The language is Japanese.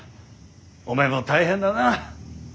お前も大変だな。